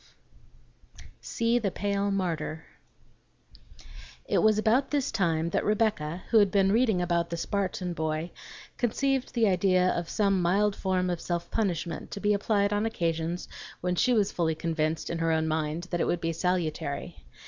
XII "SEE THE PALE MARTYR" It was about this time that Rebecca, who had been reading about the Spartan boy, conceived the idea of some mild form of self punishment to be applied on occasions when she was fully convinced in her own mind that it would be salutary.